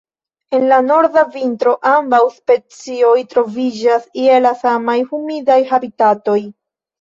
En la norda vintro, ambaŭ specioj troviĝas je la samaj humidaj habitatoj.